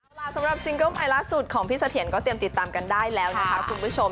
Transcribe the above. เอาล่ะสำหรับซิงเกิ้ลใหม่ล่าสุดของพี่เสถียรก็เตรียมติดตามกันได้แล้วนะคะคุณผู้ชม